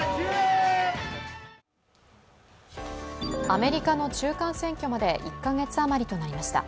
アメリカの中間選挙まで１か月余りとなりました。